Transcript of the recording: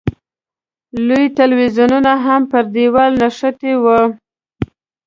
لوی تلویزیون هم پر دېوال نښتی و.